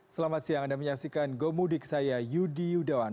selamat siang anda menyaksikan go mudik saya yudi yudawan